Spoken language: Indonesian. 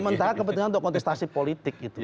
sementara kepentingannya untuk kontestasi politik